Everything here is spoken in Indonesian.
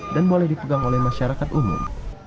dan boleh dipegang oleh masyarakat umum